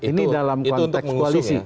ini dalam konteks koalisi